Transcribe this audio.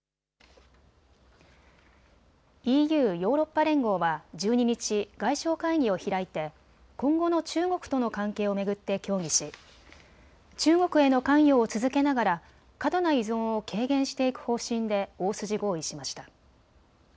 ＥＵ・ヨーロッパ連合は１２日、外相会議を開いて今後の中国との関係を巡って協議し中国への関与を続けながら過度な依存を軽減していく方針で大筋合意しました。